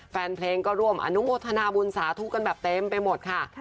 แฟนเพลงก็ร่วมอนุโมทนาบุญสาธุกันแบบเต็มไปหมดค่ะ